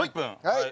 はい。